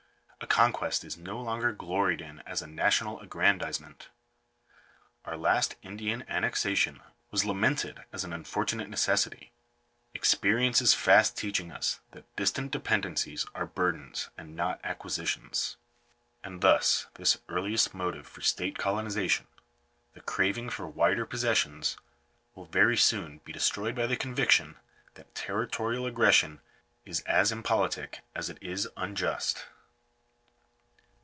A conquest is no longer gloried in as a national aggrandisement. Our last Indian annexation was lamented as an unfortunate necessity. Experience is fast teaching us that distant dependencies are burdens, and not acquisitions. And thus this earliest motive for state colonization — the craving for wider possessions — will very soon be destroyed by the conviction that territorial ag gression is as impolitic as it is unjust.